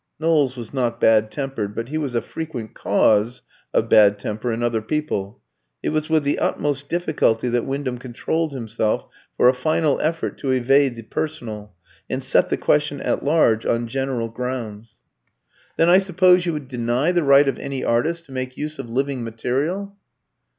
Knowles was not bad tempered, but he was a frequent cause of bad temper in other people. It was with the utmost difficulty that Wyndham controlled himself for a final effort to evade the personal, and set the question at large on general grounds. "Then I suppose you would deny the right of any artist to make use of living material?"